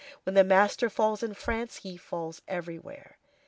When the master falls in France, he falls everywhere.